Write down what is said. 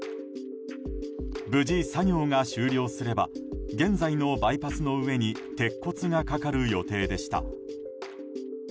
無事、作業が終了すれば現在のバイパスの上に鉄骨がかかる予定でした。